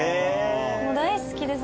大好きです